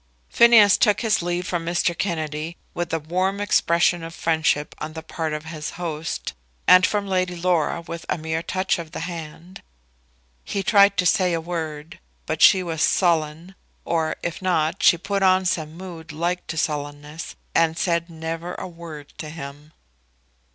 Phineas took his leave from Mr. Kennedy, with a warm expression of friendship on the part of his host, and from Lady Laura with a mere touch of the hand. He tried to say a word; but she was sullen, or, if not, she put on some mood like to sullenness, and said never a word to him.